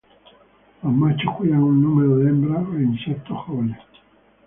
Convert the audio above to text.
Los machos cuidan un número de hembras e insectos jóvenes.